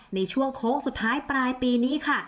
ในช่วงโค้งสุดท้ายปลายปีนี้ค่ะ